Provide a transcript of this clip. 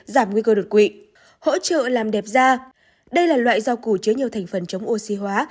giảm nguy cơ đột quỵ hỗ trợ làm đẹp da đây là loại rau củ chứa nhiều thành phần chống oxy hóa